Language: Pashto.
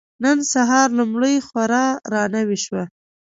نن سهار لومړۍ خور را نوې شوه.